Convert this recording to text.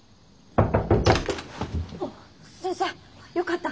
あっ先生よかった。